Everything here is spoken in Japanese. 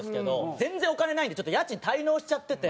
全然お金ないんでちょっと家賃滞納しちゃってて。